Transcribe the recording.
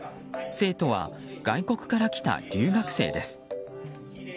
生徒は外国から来た留学生です。